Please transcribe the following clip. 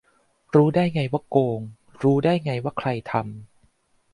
รู้ได้ไงว่าโกง รู้ได้ไงว่าใครทำ ?